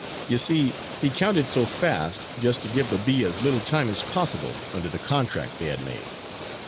You see, he counted so fast just to give the bee as little time as possible, under the contract they had made.